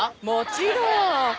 もちろん。